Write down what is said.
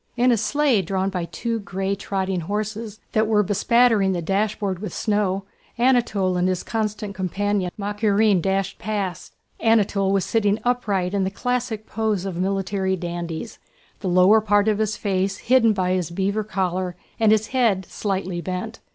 In a sleigh drawn by two gray trotting horses that were bespattering the dashboard with snow, Anatole and his constant companion Makárin dashed past. Anatole was sitting upright in the classic pose of military dandies, the lower part of his face hidden by his beaver collar and his head slightly bent.